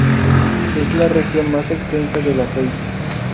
Es la región más extensa de las seis.